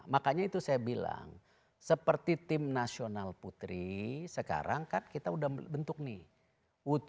makanya itu saya bilang seperti tim nasional putri sekarang kan kita udah bentuk nih